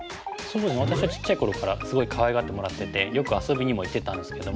私はちっちゃい頃からすごいかわいがってもらっててよく遊びにも行ってたんですけども。